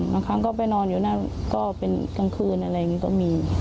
บางครั้งก็ไปนอนอยู่นั่นก็เป็นกลางคืนอะไรอย่างนี้ก็มี